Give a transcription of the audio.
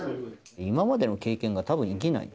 今までの経験が多分生きない。